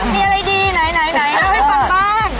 มีอะไรดีไหนเล่าให้ฟังบ้าง